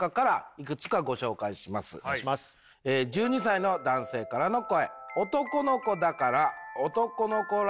１２歳の男性からの声。